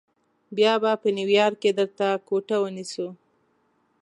بیا به نیویارک کې درته کوټه ونیسو.